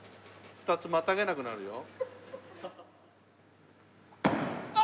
２つまたげなくなるよ。